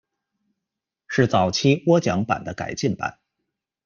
是早期的涡桨版的改进版。